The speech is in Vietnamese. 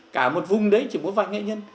cả một vùng đấy chỉ có vài nghệ nhân